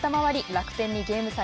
楽天にゲーム差